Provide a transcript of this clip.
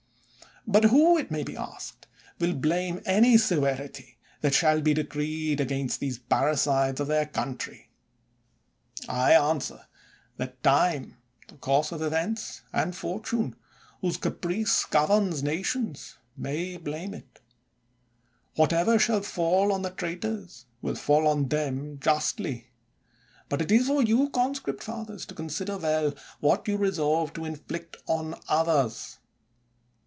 But who, it may be asked, will blame any se verity that shall be decreed against these parri cides of their country ? I answer that time, the course of events, and fortune, whose caprice gov erns nations, may blame it. Whatever shall fall on the traitors, will fall on them justly ; but it is for you, conscript fathers, to consider well what you resolve to inflict on others.